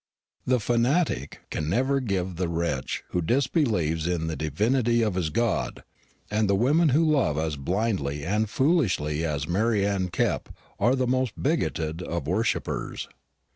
The fanatic can never forgive the wretch who disbelieves in the divinity of his god; and women who love as blindly and foolishly as Mary Anne Kepp are the most bigoted of worshippers.